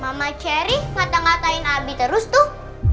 mama cherry ngata ngatain abi terus tuh